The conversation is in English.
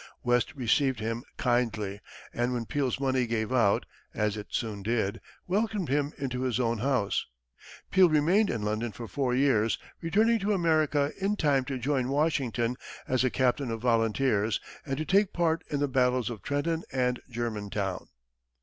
West received him kindly, and when Peale's money gave out, as it soon did, welcomed him into his own house. Peale remained in London for four years, returning to America in time to join Washington as a captain of volunteers, and to take part in the battles of Trenton and Germantown.